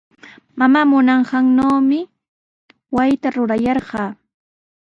Mamaa munanqannawmi wasita rurayarqaa.